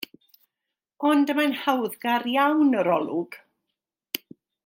Ond y mae'n hawddgar iawn yr olwg.